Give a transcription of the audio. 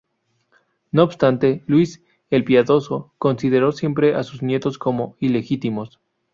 No obstante, Luis "el Piadoso", consideró siempre a sus nietos como ilegítimos.